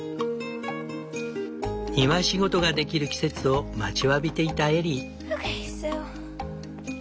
庭仕事ができる季節を待ちわびていたエリー。